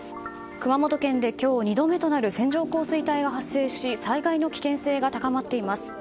熊本県で今日２度目となる線状降水帯が発生し災害の危険性が高まっています。